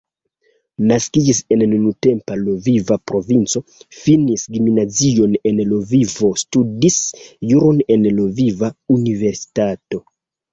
Naskiĝis en nuntempa Lviva provinco, finis gimnazion en Lvivo, studis juron en Lviva Universitato.